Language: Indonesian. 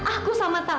aku sama tak